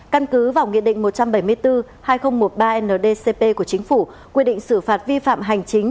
căn cứ vào nghị định một trăm bảy mươi bốn hai nghìn một mươi ba ndcp của chính phủ quy định xử phạt vi phạm hành chính